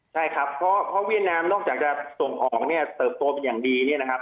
ใช่ครับเพราะเวียดนามนอกจากจะส่งออกเสิร์ฟโตเป็นอย่างดี